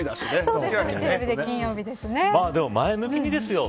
でも前向きですよ。